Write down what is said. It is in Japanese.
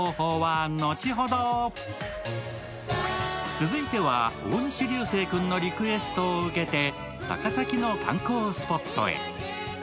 続いては、大西流星君のリクエストを受けて高崎の観光スポットへ。